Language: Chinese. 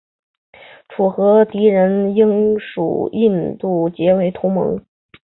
楚布南嘉与廓尔喀的敌人英属印度结为同盟。